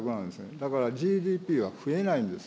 だからＧＤＰは増えないんです。